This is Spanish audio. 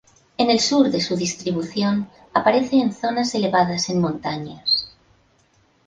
En el sur de su distribución, aparece en zonas elevadas en montañas.